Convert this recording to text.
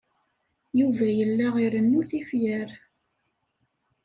Yuba yella irennu tifyar.